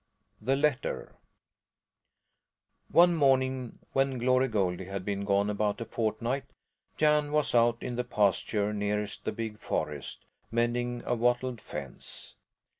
THE LETTER One morning when Glory Goldie had been gone about a fortnight, Jan was out in the pasture nearest the big forest, mending a wattled fence.